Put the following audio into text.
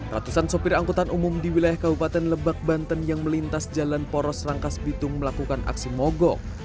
ratusan sopir angkutan umum di wilayah kabupaten lebak banten yang melintas jalan poros rangkas bitung melakukan aksi mogok